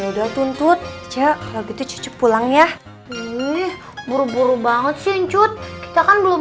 bohong ya udah tuntut ya kalau gitu cucu pulang ya iih buru buru banget sih cucu kita kan belum